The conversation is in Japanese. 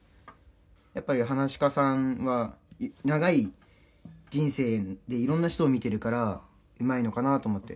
やっぱり噺家さんは長い人生でいろんな人を見てるからうまいのかなと思って。